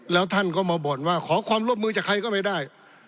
แล้วท่านก็มาบ่นว่าขอความร่วมมือจากใครก็ไม่ได้